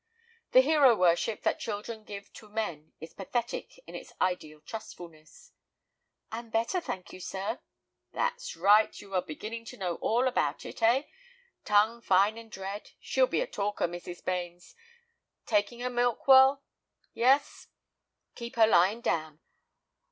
The hero worship that children give to men is pathetic in its ideal trustfulness. "I'm better, thank you, sir." "That's right; you are beginning to know all about it, eh? Tongue fine and red. She'll be a talker, Mrs. Bains. Taking her milk well, yes. Keep her lying down."